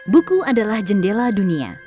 buku adalah jendela dunia